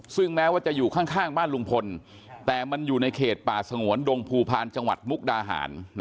ซึ่งแม้ว่าจะอยู่ข้างบ้านลุงพลแต่มันอยู่ในเขตป่าสงวนดงภูพาลจังหวัดมุกดาหาร